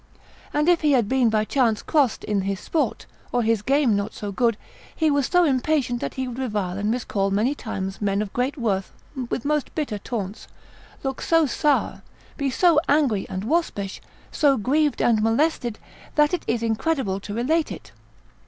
And if he had been by chance crossed in his sport, or his game not so good, he was so impatient, that he would revile and miscall many times men of great worth with most bitter taunts, look so sour, be so angry and waspish, so grieved and molested, that it is incredible to relate it.